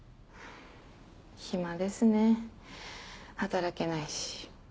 暇ですね働けないし。